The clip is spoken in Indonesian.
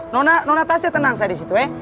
eh nona tasya tenang seh di situ he